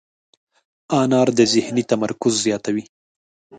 انار د ذهني تمرکز زیاتوي.